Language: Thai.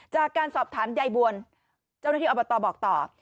จากการสอบถามยายบวลเจ้าหน้าที่อบตบอกต่อ